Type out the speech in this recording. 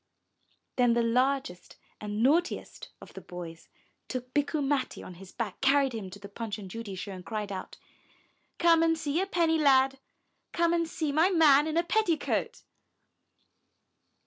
Then the largest and naughtiest of the boys took Bikku Matti on his back, carried him to the Punch and Judy show and cried out, ''Come and see a penny lad! Come and see my man in a petticoat."